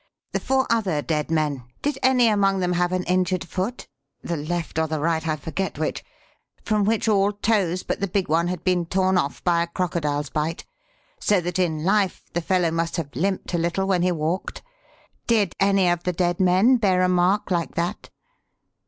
"The four other dead men did any among them have an injured foot the left or the right, I forget which from which all toes but the big one had been torn off by a crocodile's bite, so that in life the fellow must have limped a little when he walked? Did any of the dead men bear a mark like that?"